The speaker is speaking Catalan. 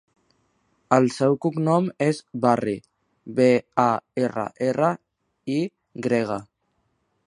El seu cognom és Barry: be, a, erra, erra, i grega.